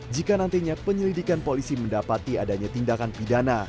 jika nantinya penyelidikan polisi mendapati adanya tindakan pidana